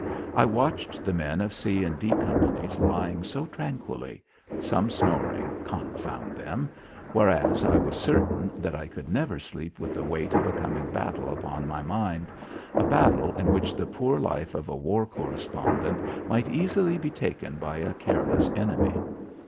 I watched the men of C and D companies lying so tranquilly some snoring, confound them whereas I was certain that I could never sleep with the weight of a coming battle upon my mind, a battle in which the poor life of a war correspondent might easily be taken by a careless enemy.